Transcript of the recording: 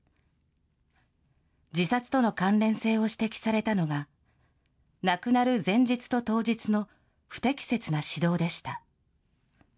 自殺との関連性を指摘されたのが、亡くなる前日と当日の不適切な指導でした。